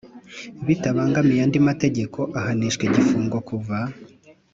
Bitabangamiye andi mategeko ahanishwa igifungo kuva